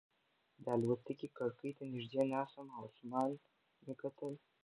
د الوتکې کړکۍ ته نږدې ناست وم او اسمان مې کتل.